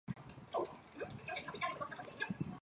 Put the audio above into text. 之后作为越南共和国海军的顾问赶往越南战争前线。